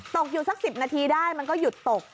ตกอยู่สัก๑๐นาทีได้มันก็หยุดตก